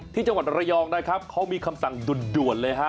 ที่จังหวัดระยองนะครับเขามีคำสั่งด่วนเลยฮะ